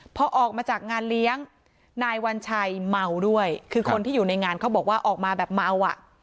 พอออกมาจากงานเลี้ยงนายวัญชัยเมาด้วยคือคนที่อยู่ในงานเขาบอกว่าออกมาแบบเมาอ่ะ